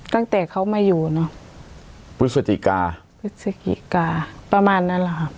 ตั้งแต่เขามาอยู่เนอะพฤศจิกาพฤศจิกาประมาณนั้นแหละครับ